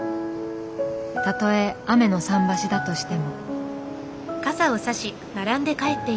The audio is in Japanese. たとえ雨の桟橋だとしても。